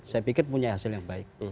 saya pikir punya hasil yang baik